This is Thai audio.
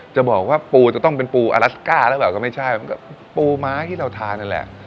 จะบอกว่าปูจะต้องเป็นปูอลัสก้าแล้วก็ไม่ใช่มันก็เป็นปูม้าที่เราทานแหละ